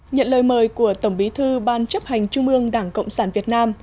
nhận lời mời của tổng bí thư ban chấp hành trung ương đảng cộng sản việt nam